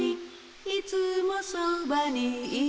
「いつもそばにいるよ」